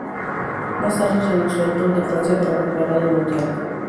Más tarde renunció al Tour de Francia para preparar el Mundial.